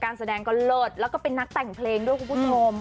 การแสดงก็เลิศแล้วก็เป็นนักแต่งเพลงด้วยกูพุทธโรม